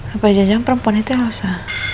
apa aja jangan perempuan itu yang rasa